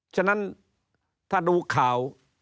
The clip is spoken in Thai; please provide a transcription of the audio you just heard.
ฉะนั้นถ้าดูข่าว